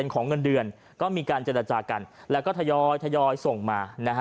ของเงินเดือนก็มีการเจรจากันแล้วก็ทยอยทยอยส่งมานะฮะ